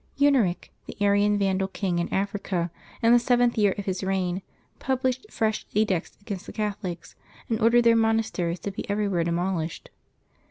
GUNEEic, the Arian Vandal king in Africa, in the seventh year of his reign, published fresh edicts against the Catholics, and ordered their monasteries to be everywhere demolished.